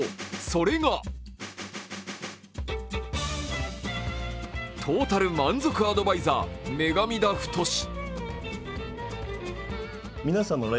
それがトータル満足アドバイサーメガミ田フトシ。